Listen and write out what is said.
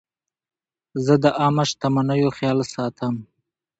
زه د عامه شتمنیو خیال ساتم.